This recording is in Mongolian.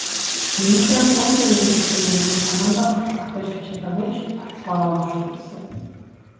Мемушай зүүн жигүүрээс ирсэн бөмбөгийг санаандаа хүртэл тогтоож авч чадаагүй ч довтолгоогоо үргэлжлүүллээ.